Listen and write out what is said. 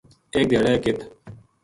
ایک دھیاڑے کِ